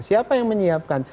siapa yang menyiapkan